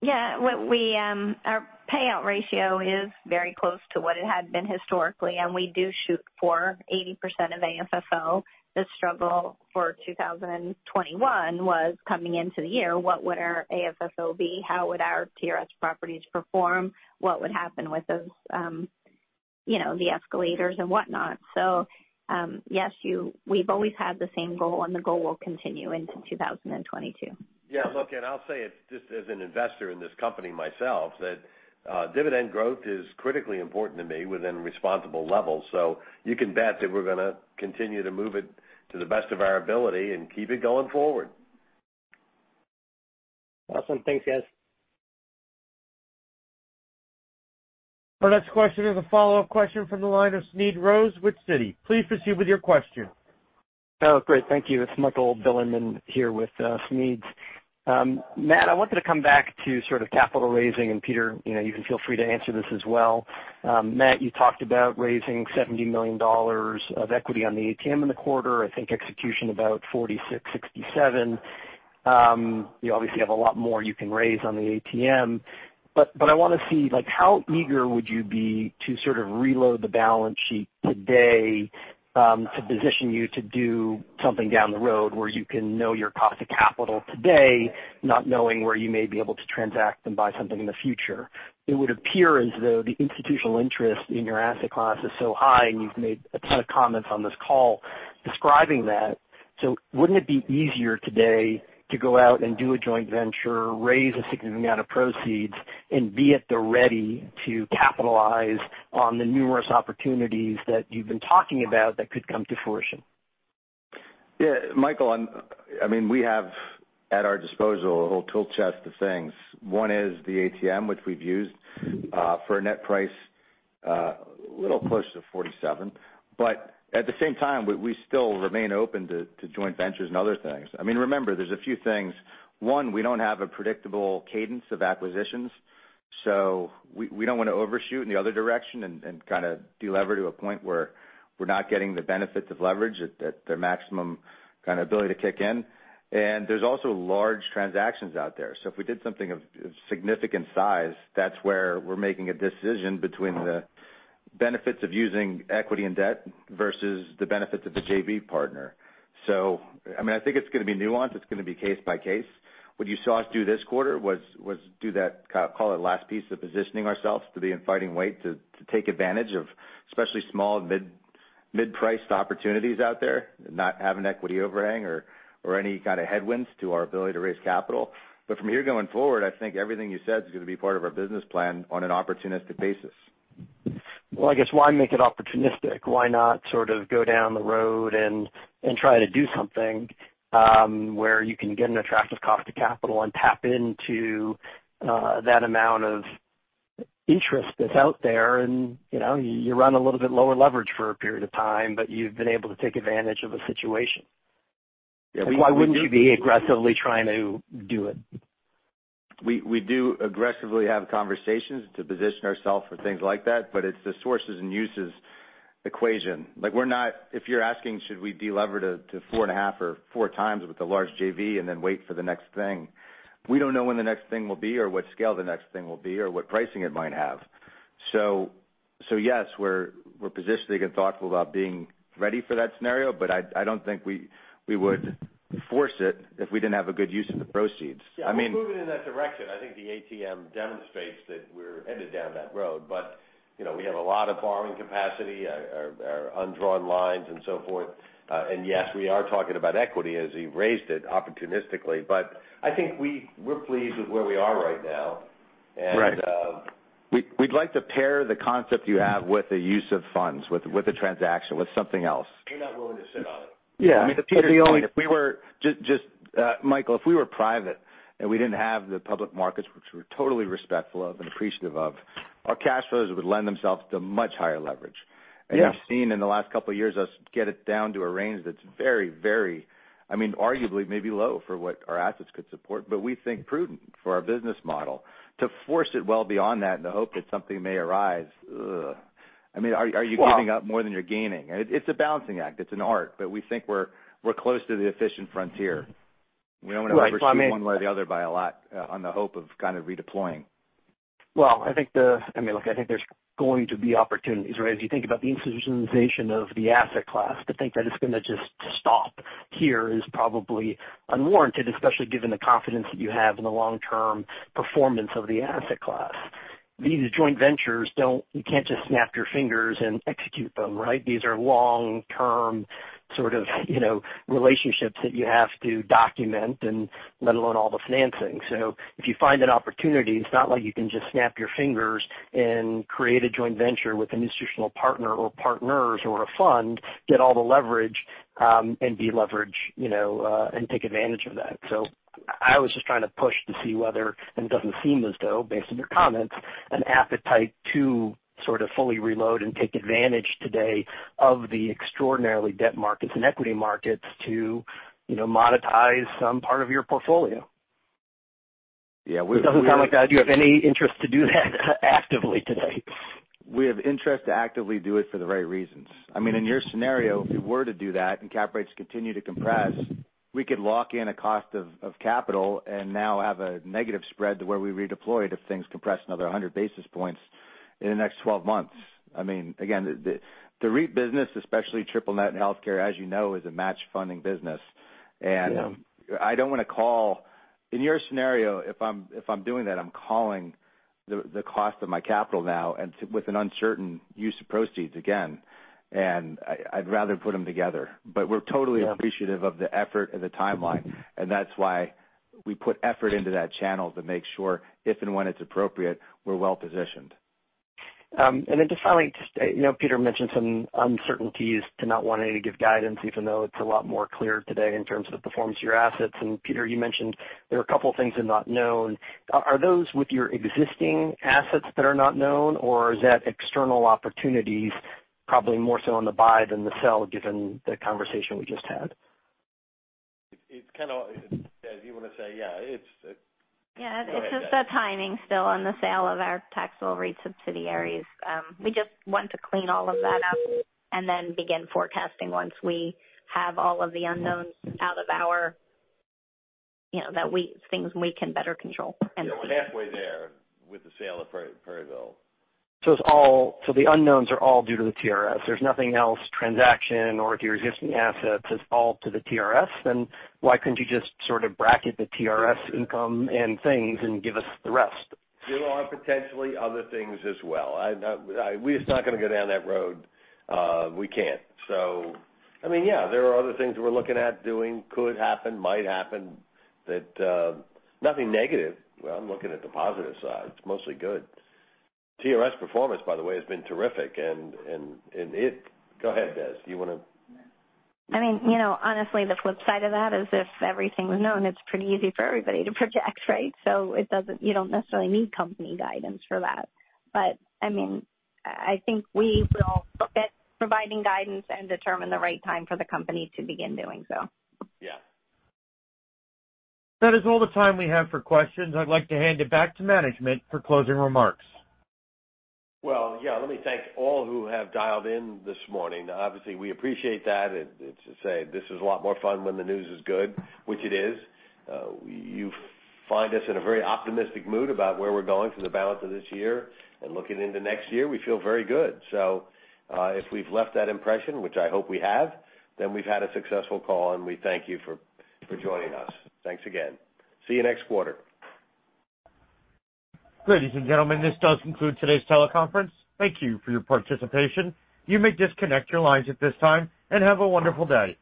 Yeah. Our payout ratio is very close to what it had been historically, and we do shoot for 80% of AFFO. The struggle for 2021 was coming into the year, what would our AFFO be? How would our TRS properties perform? What would happen with those, the escalators and whatnot? Yes, we've always had the same goal, and the goal will continue into 2022. Yeah, look, I'll say it just as an investor in this company myself, that dividend growth is critically important to me within responsible levels. You can bet that we're going to continue to move it to the best of our ability and keep it going forward. Awesome. Thanks, guys. Our next question is a follow-up question from the line of Smedes Rose with Citi. Please proceed with your question. Oh, great. Thank you. It's Michael Bilerman here with Smedes Rose. Matt, I wanted to come back to sort of capital raising, and Peter, you can feel free to answer this as well. Matt, you talked about raising $70 million of equity on the ATM in the quarter. I think execution about $46.67. You obviously have a lot more you can raise on the ATM, but I want to see how eager would you be to sort of reload the balance sheet today, to position you to do something down the road where you can know your cost of capital today, not knowing where you may be able to transact and buy something in the future? It would appear as though the institutional interest in your asset class is so high, you've made a ton of comments on this call describing that. Wouldn't it be easier today to go out and do a joint venture, raise a significant amount of proceeds, and be at the ready to capitalize on the numerous opportunities that you've been talking about that could come to fruition? Yeah. Michael, we have at our disposal, a whole tool chest of things. One is the ATM, which we've used, for a net price, a little close to 47. At the same time, we still remain open to joint ventures and other things. Remember, there's a few things. One, we don't have a predictable cadence of acquisitions, we don't want to overshoot in the other direction and kind of de-lever to a point where we're not getting the benefits of leverage at their maximum kind of ability to kick in. There's also large transactions out there. If we did something of significant size, that's where we're making a decision between the benefits of using equity and debt versus the benefits of the JV partner. I think it's going to be nuanced. It's going to be case by case. What you saw us do this quarter was do that, call it last piece of positioning ourselves to be in fighting weight to take advantage of especially small and mid-priced opportunities out there, not have an equity overhang or any kind of headwinds to our ability to raise capital. From here going forward, I think everything you said is going to be part of our business plan on an opportunistic basis. Well, I guess, why make it opportunistic? Why not sort of go down the road and try to do something, where you can get an attractive cost to capital and tap into that amount of interest that's out there and, you run a little bit lower leverage for a period of time, but you've been able to take advantage of a situation. Yeah. Why wouldn't you be aggressively trying to do it? We do aggressively have conversations to position ourselves for things like that, but it's the sources and uses equation. If you're asking should we delever to 4.5 or 4 times with a large JV and then wait for the next thing, we don't know when the next thing will be or what scale the next thing will be or what pricing it might have. Yes, we're positioning and thoughtful about being ready for that scenario, but I don't think we would force it if we didn't have a good use of the proceeds. Yeah. We're moving in that direction. I think the ATM demonstrates that we're headed down that road. We have a lot of borrowing capacity, our undrawn lines and so forth. Yes, we are talking about equity as he raised it opportunistically, but I think we're pleased with where we are right now. Right. We'd like to pair the concept you have with the use of funds, with the transaction, with something else. We're not willing to sit on it. Yeah. Just, Michael, if we were private and we didn't have the public markets, which we're totally respectful of and appreciative of, our cash flows would lend themselves to much higher leverage. Yes. You've seen in the last couple of years us get it down to a range that's very, arguably maybe low for what our assets could support, but we think prudent for our business model. To force it well beyond that in the hope that something may arise. Are you giving up more than you're gaining? It's a balancing act. It's an art, but we think we're close to the efficient frontier. We don't want to overshoot one way or the other by a lot on the hope of kind of redeploying. I think there's going to be opportunities, right? As you think about the institutionalization of the asset class, to think that it's going to just stop here is probably unwarranted, especially given the confidence that you have in the long-term performance of the asset class. These joint ventures, you can't just snap your fingers and execute them, right? These are long-term sort of relationships that you have to document and let alone all the financing. If you find an opportunity, it's not like you can just snap your fingers and create a joint venture with an institutional partner or partners or a fund, get all the leverage, and de-leverage, and take advantage of that. I was just trying to push to see whether, and it doesn't seem as though, based on your comments, an appetite to sort of fully reload and take advantage today of the extraordinarily debt markets and equity markets to monetize some part of your portfolio. Yeah. It doesn't sound like that you have any interest to do that actively today. We have interest to actively do it for the right reasons. In your scenario, if we were to do that and cap rates continue to compress, we could lock in a cost of capital and now have a negative spread to where we redeployed if things compressed another 100 basis points in the next 12 months. The REIT business, especially triple net and healthcare, as you know, is a match-funding business. Yeah. In your scenario, if I'm doing that, I'm calling the cost of my capital now and with an uncertain use of proceeds again, and I'd rather put them together. We're totally appreciative of the effort and the timeline, and that's why we put effort into that channel to make sure if and when it's appropriate, we're well-positioned. Just finally, Peter mentioned some uncertainties to not wanting to give guidance, even though it's a lot more clear today in terms of the performance of your assets. Peter, you mentioned there are a couple of things are not known. Are those with your existing assets that are not known, or is that external opportunities probably more so on the buy than the sell given the conversation we just had? It's kind of Des, you want to say yeah. Yeah. It's just the timing still on the sale of our taxable REIT subsidiaries. We just want to clean all of that up and then begin forecasting once we have all of the unknowns out of our Things we can better control. Yeah. We're halfway there with the sale of Perryville. The unknowns are all due to the TRS. There's nothing else, transaction or with your existing assets, it's all to the TRS? Why couldn't you just sort of bracket the TRS income and things and give us the rest? There are potentially other things as well. We're just not going to go down that road. We can't. Yeah, there are other things we're looking at doing, could happen, might happen. Nothing negative. Well, I'm looking at the positive side. It's mostly good. TRS performance, by the way, has been terrific. Go ahead, Des, do you want to? Honestly, the flip side of that is if everything was known, it's pretty easy for everybody to project, right? You don't necessarily need company guidance for that. I think we will look at providing guidance and determine the right time for the company to begin doing so. Yeah. That is all the time we have for questions. I'd like to hand it back to management for closing remarks. Well, yeah. Let me thank all who have dialed in this morning. Obviously, we appreciate that, and to say this is a lot more fun when the news is good, which it is. You find us in a very optimistic mood about where we're going for the balance of this year and looking into next year, we feel very good. So, if we've left that impression, which I hope we have, then we've had a successful call, and we thank you for joining us. Thanks again. See you next quarter. Ladies and gentlemen, this does conclude today's teleconference. Thank you for your participation. You may disconnect your lines at this time, and have a wonderful day.